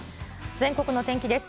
全国の天気です。